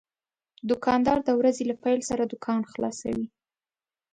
دوکاندار د ورځې له پېل سره دوکان خلاصوي.